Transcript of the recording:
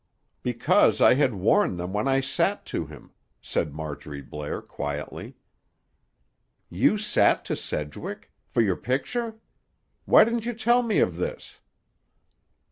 "Because I had worn them when I sat to him," said Marjorie Blair quietly. "You sat to Sedgwick? For your picture? Why didn't you tell me of this?"